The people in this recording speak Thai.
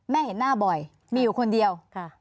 เห็นหน้าบ่อยมีอยู่คนเดียว